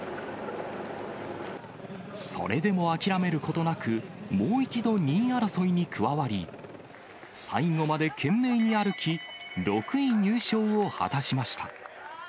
それでも諦めることなく、もう一度２位争いに加わり、最後まで懸命に歩き、６位入賞を果たしました。